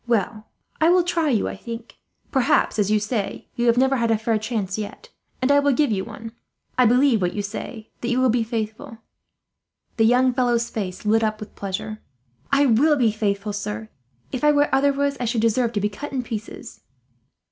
"Well, I will try you, I think. Perhaps, as you say, you have never had a fair chance yet, and I will give you one. I believe what you say, that you will be faithful." The young fellow's face lit up with pleasure. "I will be faithful, sir. If I were otherwise, I should deserve to be cut in pieces."